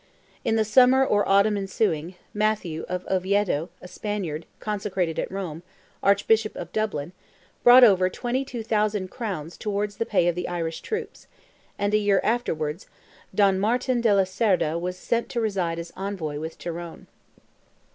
In the summer or autumn ensuing, Mathew of Oviedo, a Spaniard, consecrated at Rome, Archbishop of Dublin, brought over 22,000 crowns towards the pay of the Irish troops, and a year afterwards, Don Martin de la Cerda was sent to reside as envoy with Tyrone.